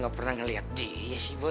gue pernah ngeliat dia sih boy